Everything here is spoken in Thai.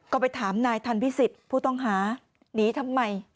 ก็ไปถามนายทันพิสิทธิ์ผู้ต้องหาหนีทำไม